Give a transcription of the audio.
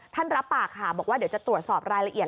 รับปากค่ะบอกว่าเดี๋ยวจะตรวจสอบรายละเอียด